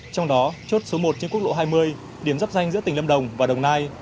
trong đó chốt số một trên quốc lộ hai mươi điểm dắp danh giữa tỉnh lâm đồng và đồng nai